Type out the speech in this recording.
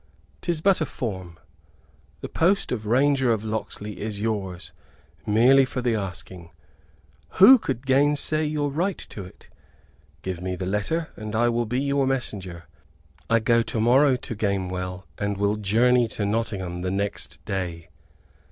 'Tis but a form. The post of Ranger of Locksley is yours, merely for the asking. Who could gainsay your right to it? Give me the letter; and I will be your messenger. I go to morrow to Gamewell, and will journey to Nottingham the next day.